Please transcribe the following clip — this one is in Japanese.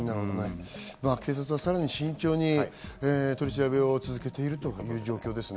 警察はさらに慎重に取り調べを続けているという状況ですね。